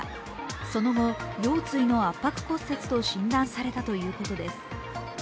その後、腰椎の圧迫骨折と診断されたということです。